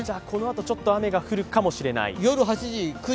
このあと、ちょっと雨が降るかもしれない。